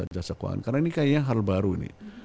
jasa keuangan karena ini kayaknya hal baru nih